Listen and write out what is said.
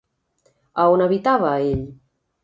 A on habitava ell?